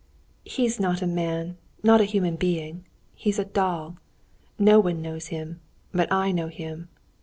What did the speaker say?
'" "He's not a man, not a human being—he's a doll! No one knows him; but I know him.